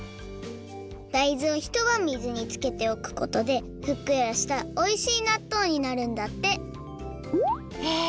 大豆をひとばん水につけておくことでふっくらしたおいしいなっとうになるんだってへえ